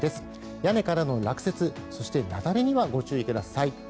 屋根からの落雪雪崩にはご注意ください。